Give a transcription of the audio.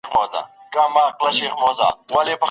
د ځيني احنافو په نظر پر خاوند باندي جماع کول واجب دي.